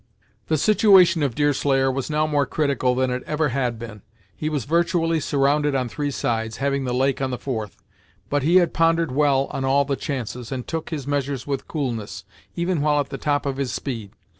The situation of Deerslayer was now more critical than it ever had been. He was virtually surrounded on three sides, having the lake on the fourth. But he had pondered well on all the chances, and took his measures with coolness, even while at the top of his speed.